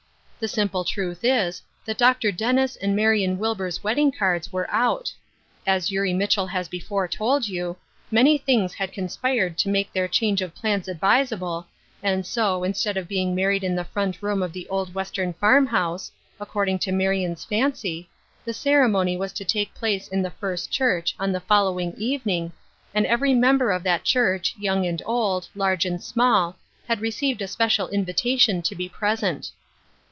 The simple truth is, that Dr. Dennis and Marion Wilbur's wedding cards were out. As Eurie Mitchell has before told you, many things had conspired to make their change of plans advisable, and so, instead of being mar ried in the front room of the old western farm house, according to Marion's fancy, the cere mony was to take place in the First Church on the following evening, and every member of that church, young and old, large and small, had received a special invitation to be present.